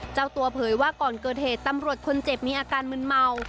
เจ้าตัวเผยว่าก่อนเกิดเหตุตำรวจคนเจ็บมีอาการมึนเมา